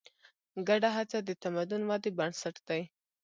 ګډه هڅه د تمدن ودې بنسټ دی.